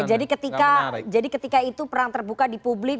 jadi ketika itu perang terbuka di publik